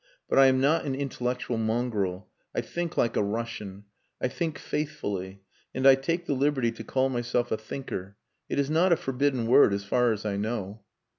But I am not an intellectual mongrel. I think like a Russian. I think faithfully and I take the liberty to call myself a thinker. It is not a forbidden word, as far as I know."